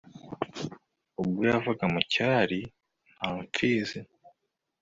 ubwo yavaga mu cyari, nta mpfizi